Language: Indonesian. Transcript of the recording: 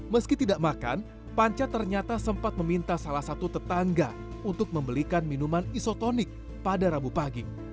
meski tidak makan panca ternyata sempat meminta salah satu tetangga untuk membelikan minuman isotonik pada rabu pagi